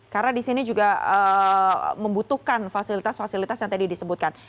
karena di sini juga membutuhkan fasilitas fasilitas yang tadi disebutkan